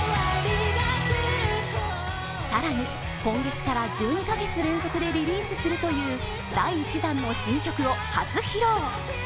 更に今月から１２カ月連続でリリースするとぃう第一弾の新曲を初披露。